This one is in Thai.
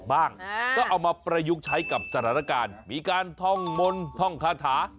บ้างก็เอามาประยุกต์ใช้กับสถานการณ์มีการท่องมนต์ท่องคาถา